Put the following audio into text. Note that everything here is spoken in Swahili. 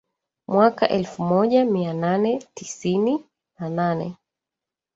mwaka elfu moja mia nane tisini na nane